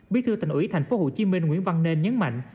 bí thư thành ủy thành phố hồ chí minh nguyễn văn nên nhấn mạnh